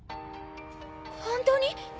ホントに？